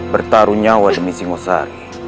bertaruh nyawa demi singosari